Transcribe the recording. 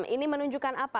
ini menunjukkan apa